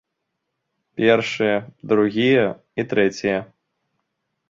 Першыя, другія і трэція.